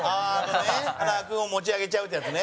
山崎：塙君を持ち上げちゃうっていうやつね。